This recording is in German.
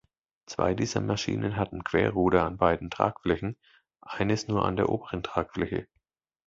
Zwei dieser Maschinen hatten Querruder an beiden Tragflächen, eines nur an der oberen Tragfläche.